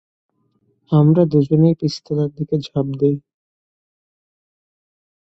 আমরা দুজনই পিস্তলের দিকে ঝাঁপ দেই।